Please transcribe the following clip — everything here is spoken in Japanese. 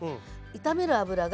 炒める油が。